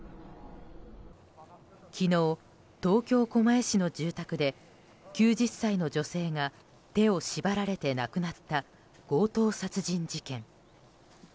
昨日、東京・狛江市の住宅で９０歳の女性が手を縛られて亡くなった強盗殺人事件。